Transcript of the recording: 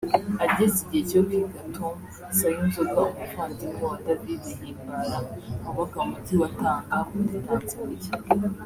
Ageze igihe cyo kwiga Tom Sayinzoga umuvandimwe wa David Himbara wabaga mumujyi wa Tanga muri Tanzania